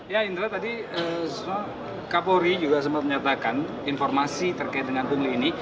ya indra tadi kapolri juga sempat menyatakan informasi terkait dengan pungli ini